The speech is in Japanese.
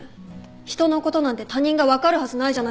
人のことなんて他人が分かるはずないじゃないですか。